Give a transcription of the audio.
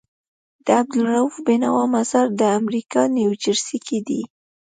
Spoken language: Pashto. د عبدالروف بينوا مزار دامريکا نيوجرسي کي دی